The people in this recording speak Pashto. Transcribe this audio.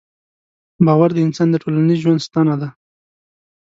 باور د انسان د ټولنیز ژوند ستنه ده.